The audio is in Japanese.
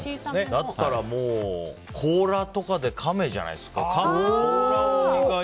だったらもう甲羅とかでカメじゃないですか？